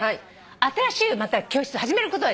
新しいまた教室始めることになりました。